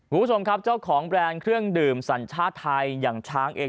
คุณผู้ชมครับเจ้าของแบรนด์เครื่องดื่มสัญชาติไทยอย่างช้างเอง